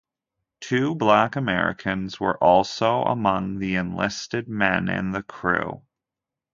Two black Americans were also among the enlisted men in the crew.